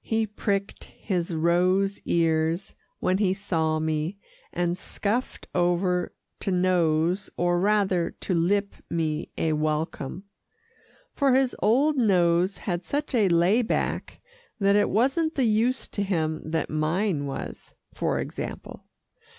He pricked his rose ears when he saw me, and scuffed over to nose, or rather to lip me a welcome, for his old nose had such a lay back that it wasn't the use to him that mine was, for example.